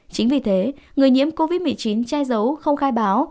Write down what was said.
chính vì thế người nhiễm covid một mươi chín che giấu không khai báo